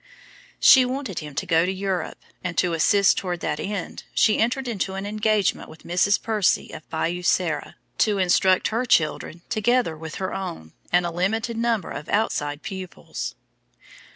She wanted him to go to Europe, and, to assist toward that end, she entered into an engagement with a Mrs. Percy of Bayou Sara, to instruct her children, together with her own, and a limited number of outside pupils.